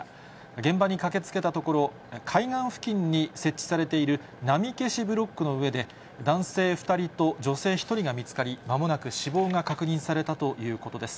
現場に駆けつけたところ、海岸付近に設置されている波消しブロックの上で、男性２人と女性１人が見つかり、まもなく死亡が確認されたということです。